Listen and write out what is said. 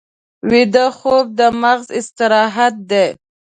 ویده خوب د مغز استراحت دی